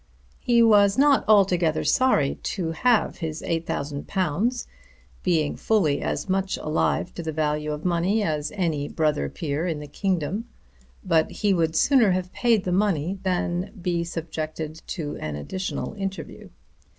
He was not altogether sorry to have his £8000, being fully as much alive to the value of money as any brother peer in the kingdom, but he would sooner have paid the money than be subject to an additional interview.